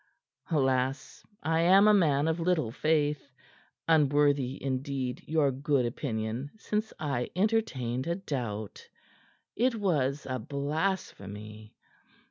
"Alas! I am a man of little faith unworthy, indeed, your good opinion since I entertained a doubt. It was a blasphemy."